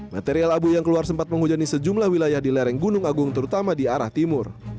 material abu yang keluar sempat menghujani sejumlah wilayah di lereng gunung agung terutama di arah timur